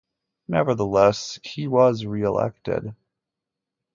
Nevertheless, he was re-elected.